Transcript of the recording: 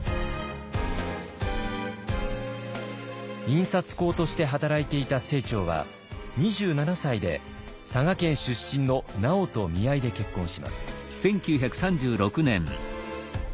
印刷工として働いていた清張は２７歳で佐賀県出身のナヲと見合いで結婚します。